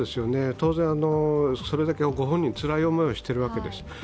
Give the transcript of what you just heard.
当然、それだけご本人、つらい思いをしているわけです。